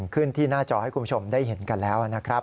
ขึ้นที่หน้าจอให้คุณผู้ชมได้เห็นกันแล้วนะครับ